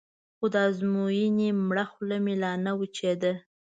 خو د ازموینې مړه خوله مې لا نه وچېده.